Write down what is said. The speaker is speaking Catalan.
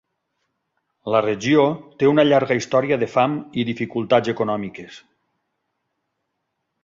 La regió té una llarga història de fam i dificultats econòmiques.